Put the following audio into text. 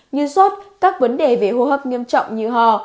như sốt các vấn đề về hô hấp nghiêm trọng như hò